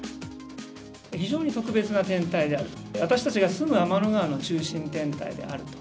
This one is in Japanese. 非常に特別な天体であると、私たちが住む天の川の中心天体であると。